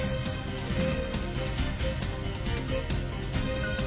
うん。